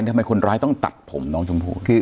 ทำไมคนร้ายต้องตัดผมน้องชมพู่